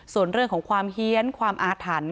ส่วนเรื่องของความเฮียนความอาถรรพ์